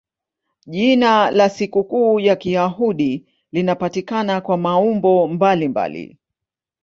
Jina la sikukuu ya Kiyahudi linapatikana kwa maumbo mbalimbali.